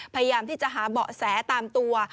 พยายามที่จะหาเบาะแสตามตัว